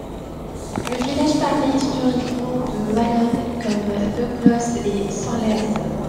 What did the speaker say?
Le village parlait historiquement le wallon comme Doncols et Sonlez.